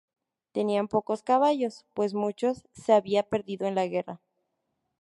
Tenían pocos caballos, pues muchos se había perdido en la guerra.